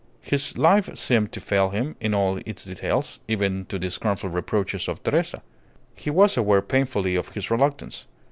His life seemed to fail him in all its details, even to the scornful reproaches of Teresa. He was aware painfully of his reluctance.